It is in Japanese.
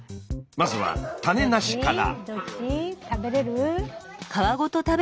まずは種なしから。